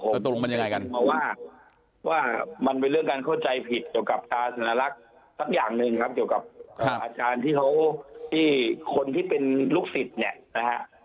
ตกลงมันยังไงกันเพราะว่าว่ามันเป็นเรื่องการเข้าใจผิดเกี่ยวกับตาสนลักษณ์สักอย่างหนึ่งครับเกี่ยวกับอาจารย์ที่เขาที่คนที่เป็นลูกศิษย์เนี่ยนะฮะ